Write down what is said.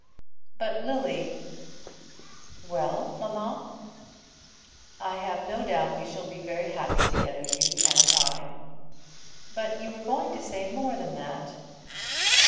"But Lily " "Well, mamma?" "I have no doubt we shall be happy together, you and I." "But you were going to say more than that."